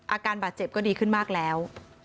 อาการบาดเจ็บก็ดีขึ้นมากแล้ว